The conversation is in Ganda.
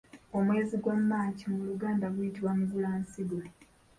Omwezi gwa March mu luganda guyitibwa Mugulansigo.